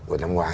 của năm ngoái